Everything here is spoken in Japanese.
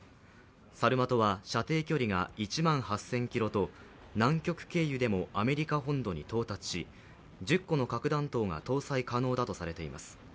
サルマトは、射程距離が１万８０００ｋｍと南極経由でもアメリカ本土に到達し、１０個の核弾頭が搭載可能だとされています。